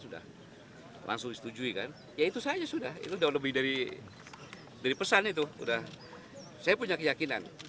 yang sangat berhasil mengembangkan